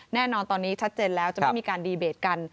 แน่นอนตอนนี้ชัดเจนแล้วจะไม่มีการดีเบตกัน